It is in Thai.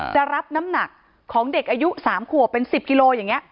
จะรับน้ำหนักของเด็กอายุ๓ขวบเป็น๑๐กิโลอย่างนี้